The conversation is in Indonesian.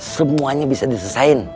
semuanya bisa disesain